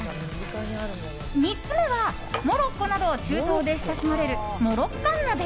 ３つ目は、モロッコなど中東で親しまれるモロッカン鍋。